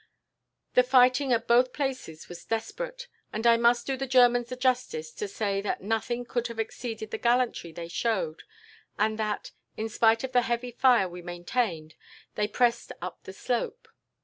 The fighting at both places was desperate, and I must do the Germans the justice to say that nothing could have exceeded the gallantry they showed, and that, in spite of the heavy fire we maintained, they pressed up the slope.